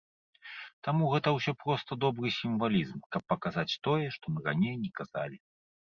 Таму гэта ўсё проста добры сімвалізм, каб паказаць тое, што мы раней не казалі.